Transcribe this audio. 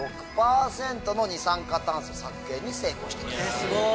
すごい！